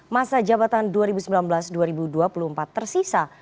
masa jabatan dua ribu sembilan belas dua ribu dua puluh empat tersisa